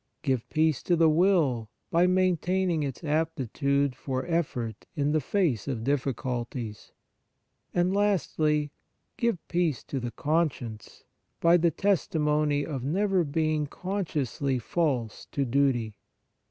Give peace to the will, by maintaining its aptitude for effort in the face of difficulties. And, lastly, give peace to the conscience, by the testimony of never being consciously false to duty.